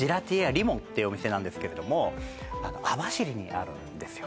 Ｒｉｍｏってお店なんですけれども網走にあるんですよ